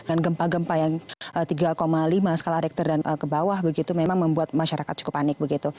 dan gempa gempa yang tiga lima skala rektor dan ke bawah begitu memang membuat masyarakat cukup panik begitu